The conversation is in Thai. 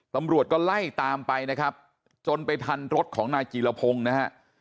ตำรวจก็ไล่ตามไปนะครับจนไปทันรถของนายจีรพงศ์นะฮะ